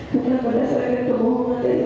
bukan berdasarkan kebohongan dari